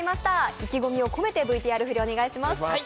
意気込みを込めてＶＴＲ振りをお願いします。